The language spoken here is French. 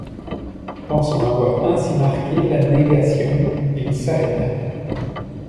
Pensant avoir ainsi marqué la négation, il s'arrêta.